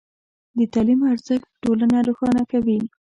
د تعلیم ارزښت ټولنه روښانه کوي.